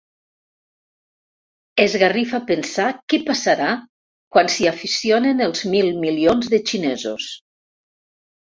Esgarrifa pensar què passarà quan s'hi aficionin els mil milions de xinesos.